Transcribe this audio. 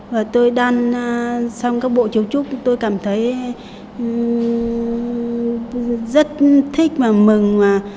và tôi đan xong các bộ chiếu trúc tôi cảm thấy rất thích và mừng